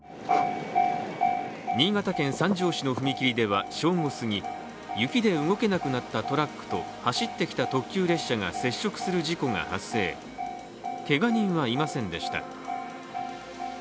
新潟県三条市の踏切では正午すぎ雪で動けなくなったトラックと走ってきた特急列車が接触する事故が発生けが人はいませんでした。